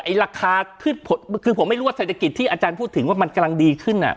ราคาขึ้นคือผมไม่รู้ว่าเศรษฐกิจที่อาจารย์พูดถึงว่ามันกำลังดีขึ้นอ่ะ